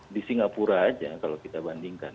di singapura aja kalau kita bandingkan